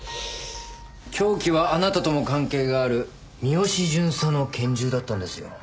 凶器はあなたとも関係がある三好巡査の拳銃だったんですよ。